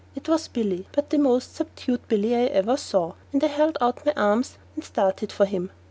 It was Billy, but the most subdued Billy I ever saw, and I held out my arms and started for him.